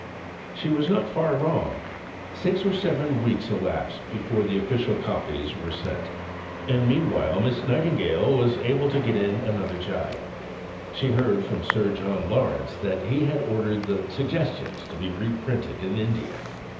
" She was not far wrong; six or seven weeks elapsed before the official copies were sent, and meanwhile Miss Nightingale was able to get in another gibe. She heard from Sir John Lawrence that he had ordered the Suggestions to be reprinted in India.